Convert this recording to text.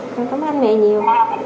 con cảm ơn mẹ nhiều